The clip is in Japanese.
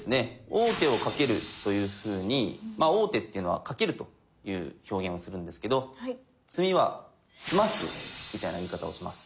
「王手をかける」というふうにまあ王手っていうのは「かける」という表現をするんですけど詰みは「詰ます」みたいな言い方をします。